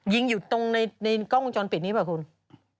ยิงอยู่ตรงในกล้องวงจรปิดนี้เปล่าคุณ